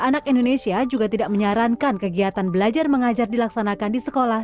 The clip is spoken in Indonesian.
anak indonesia juga tidak menyarankan kegiatan belajar mengajar dilaksanakan di sekolah